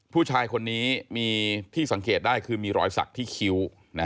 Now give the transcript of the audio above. ผู้ชายคนนี้มีที่สังเกตได้คือมีรอยสักที่คิ้ว